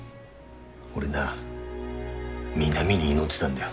俺な美波に祈ってたんだよ。